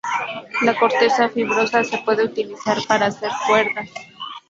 La corteza fibrosa se puede utilizar para hacer cuerdas.